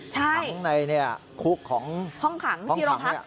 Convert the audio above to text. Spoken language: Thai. ขังในห้องขังของนางที่เราพัก